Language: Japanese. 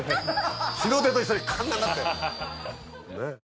日の出と一緒にこんななって。